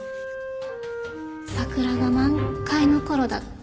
桜が満開の頃だった。